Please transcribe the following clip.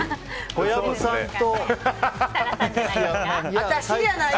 小籔さんと。